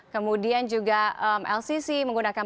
kemudian juga lcc menggunakan